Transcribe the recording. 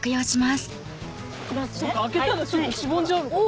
開けたらちょっとしぼんじゃうのかな？